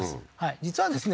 実はですね